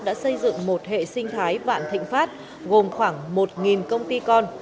đã xây dựng một hệ sinh thái vạn thịnh pháp gồm khoảng một công ty con